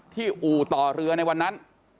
อู่ต่อเรือในวันนั้น